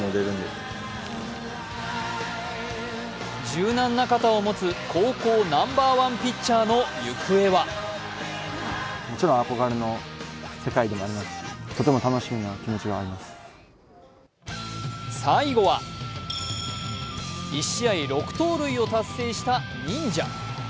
柔軟な肩を持つ高校ナンバーワンピッチャーの行方は最後は１試合６盗塁を達成した忍者。